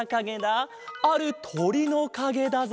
あるとりのかげだぞ。